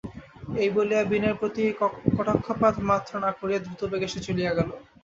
এই বলিয়া বিনয়ের প্রতি কটাক্ষপাত মাত্র না করিয়া দ্রুতবেগে সে চলিয়া গেল।